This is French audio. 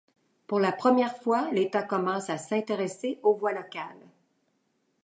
Pour la première fois l'État commence à s'intéresser aux voies locales.